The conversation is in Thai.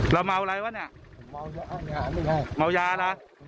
เราเมาอะไรวะเนี่ยเมายาล่ะ